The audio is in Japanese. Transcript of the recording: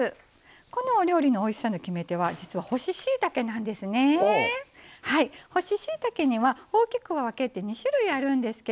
このお料理のおいしさの決め手は実は干ししいたけなんですね。